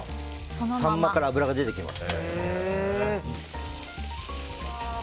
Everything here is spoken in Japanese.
サンマから脂が出てきます。